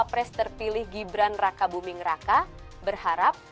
capres terpilih gibran raka buming raka berharap